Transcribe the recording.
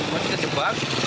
masih kejebak diketakut